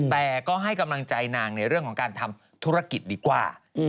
แต่ก็ให้กำลังใจนางในเรื่องของการทำธุรกิจดีกว่า